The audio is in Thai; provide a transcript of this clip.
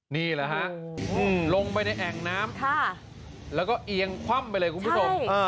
นี่แหละฮะลงไปในแอ่งน้ำแล้วก็เอียงคว่ำไปเลยคุณผู้ชม